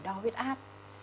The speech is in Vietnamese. đo viết app